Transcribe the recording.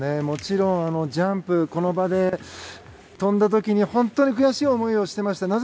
もちろんジャンプこの場で跳んだ時に本当に悔しい思いをしていました。